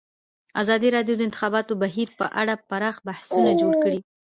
ازادي راډیو د د انتخاباتو بهیر په اړه پراخ بحثونه جوړ کړي.